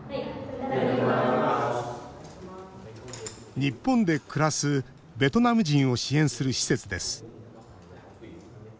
日本で暮らすベトナム人を支援する施設です。